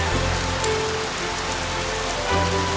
iya bunda dari